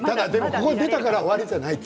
ここ出たから終わりじゃないと。